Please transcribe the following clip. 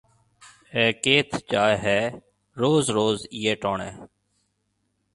اَي ڪيٿ جائي هيَ روز روز ايئي ٽوڻيَ